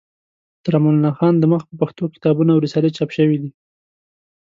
تر امان الله خان د مخه په پښتو کتابونه او رسالې چاپ شوې دي.